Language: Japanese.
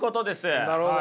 なるほど。